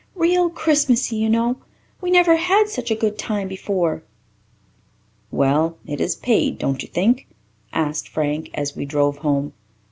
"Real Christmassy, you know. We never had such a good time before." "Well, it has paid, don't you think?" asked Frank, as we drove home.